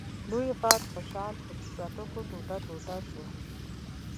لوی غر خوشحال په څټکو ټوټه ټوټه شو.